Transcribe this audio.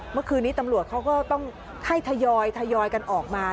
เมื่อคืนนี้ตำรวจเขาก็ต้องให้ทยอยกันออกมา